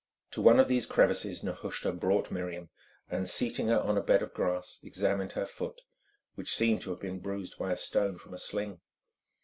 To one of these crevices Nehushta brought Miriam, and, seating her on a bed of grass, examined her foot, which seemed to have been bruised by a stone from a sling.